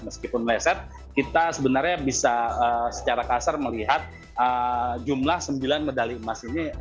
meskipun meleset kita sebenarnya bisa secara kasar melihat jumlah sembilan medali emas ini